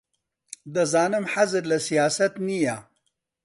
دەزانم حەزت لە سیاسەت نییە.